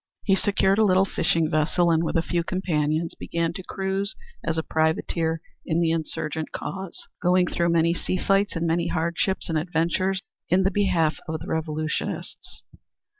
He secured a little fishing vessel, and with a few companions began to cruise as a privateer in the insurgent cause, going through many sea fights and many hardships and adventures in the behalf of the revolutionists.